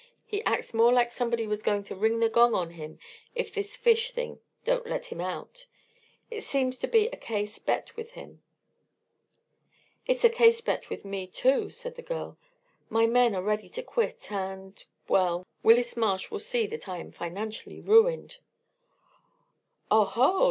"He acts more like somebody was going to ring the gong on him if this fish thing don't let him out. It seems to be a case bet with him." "It's a case bet with me, too," said the girl. "My men are ready to quit, and well, Willis Marsh will see that I am financially ruined!" "Oho!